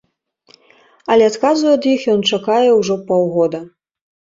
Але адказу ад іх ён чакае ўжо паўгода.